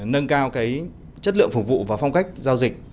nâng cao chất lượng phục vụ và phong cách giao dịch